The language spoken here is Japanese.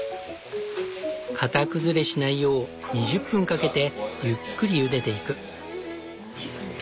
型崩れしないよう２０分かけてゆっくりゆでていく。